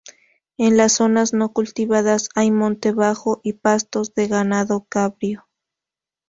En las zonas no cultivadas hay monte bajo y pastos de ganado cabrío.